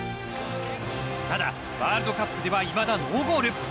ただ、ワールドカップではいまだノーゴール。